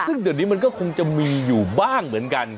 ซึ่งเดี๋ยวนี้มันก็คงจะมีอยู่บ้างเหมือนกัน